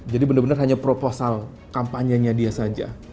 jadi bener bener hanya proposal kampanyenya dia saja